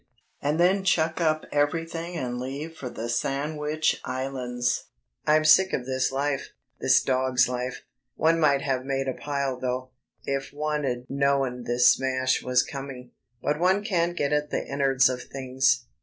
And then chuck up everything and leave for the Sandwich Islands. I'm sick of this life, this dog's life.... One might have made a pile though, if one'd known this smash was coming. But one can't get at the innards of things.